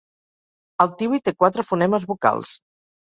El "tiwi" té quatre fonemes vocals.